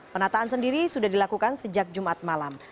penataan sendiri sudah dilakukan sejak jumat malam